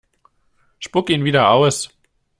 Spuck ihn wieder aus!